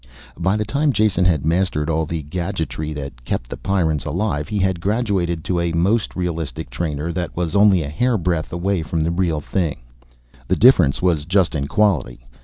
By the time Jason had mastered all the gadgetry that kept the Pyrrans alive, he had graduated to a most realistic trainer that was only a hair breadth away from the real thing. The difference was just in quality.